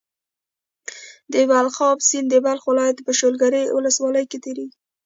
د بلخاب سيند د بلخ ولايت په شولګرې ولسوالۍ کې تيريږي.